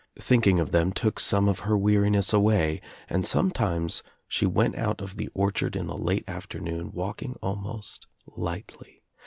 Thinking of them took some of her ' weariness away and sometimes she went out of the orchard in the late afternoon walking almost lightly.